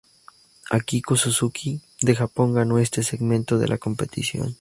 Akiko Suzuki, de Japón, ganó este segmento de la competición.